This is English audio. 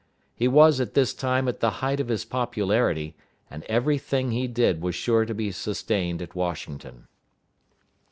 He was at this time at the height of his popularity, and every thing he did was sure to be sustained at Washington.